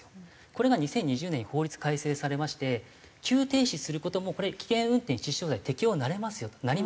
これが２０２０年に法律改正されまして急停止する事もこれ危険運転致死傷罪適用になりますよと。